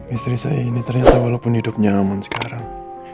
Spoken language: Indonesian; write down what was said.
istri saya ini ternyata walaupun hidup nyaman sekarang